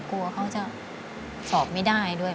กลัวเขาจะสอบไม่ได้ด้วย